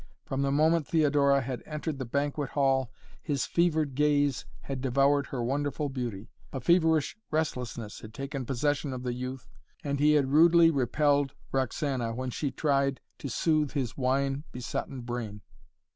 From the moment Theodora had entered the banquet hall his fevered gaze had devoured her wonderful beauty. A feverish restlessness had taken possession of the youth and he had rudely repelled Roxana when she tried to soothe his wine besotten brain.